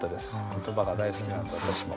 言葉が大好きなので私も。